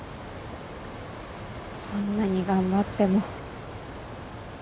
こんなに頑張っても。